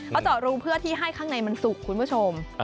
เขาจอดรูเพื่อที่ให้ข้างในมันสุกคุณผู้ชม